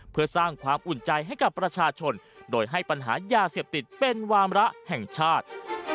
เพื่อสร้างความอุ่นใจให้กับประชาชนโดยให้ปัญหายาเสพติดเป็นวามระแห่งชาติ